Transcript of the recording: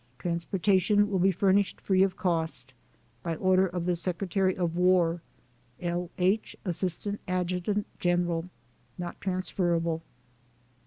Trans portation will be furnished free of cost. By order of the Secretary of War. L. H., Asst. Adj. Gen. Not transferable.